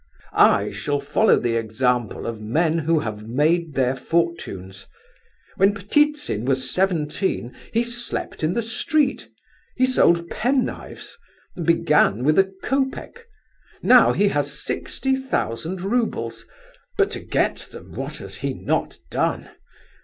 I shall follow the example of men who have made their fortunes. When Ptitsin was seventeen he slept in the street, he sold pen knives, and began with a copeck; now he has sixty thousand roubles, but to get them, what has he not done?